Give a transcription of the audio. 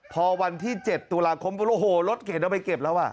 พอวันที่๗ตุลาคมโอ้โหรถเข็นเอาไปเก็บแล้วอ่ะ